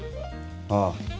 ああ。